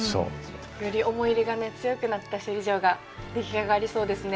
より思い入れがね強くなった首里城が出来上がりそうですね。